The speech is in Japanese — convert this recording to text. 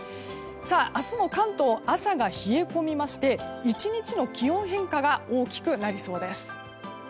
明日も関東、朝が冷え込みまして１日の気温変化が大きくなりそうです。